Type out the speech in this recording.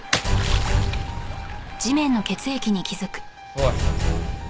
おい。